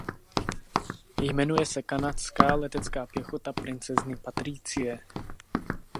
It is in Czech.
Jmenuje se Kanadská letecká pěchota princezny Patricie.